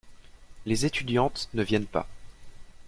Les étudiantes ne viennent pas.